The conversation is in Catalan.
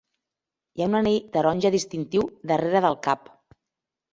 Hi ha un anell taronja distintiu darrera del cap.